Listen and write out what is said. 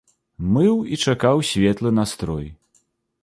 Мыў і чакаў светлы настрой.